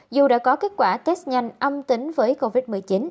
dù đã có kết quả test nhanh âm tính với covid một mươi chín